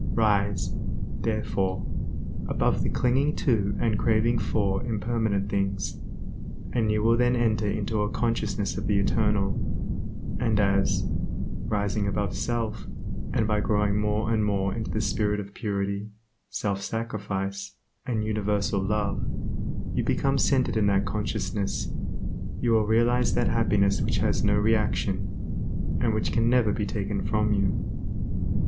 Rise, therefore, above the clinging to and the craving for impermanent things, and you will then enter into a consciousness of the Eternal, and as, rising above self, and by growing more and more into the spirit of purity, self sacrifice and universal Love, you become centered in that consciousness, you will realize that happiness which has no reaction, and which can never be taken from you.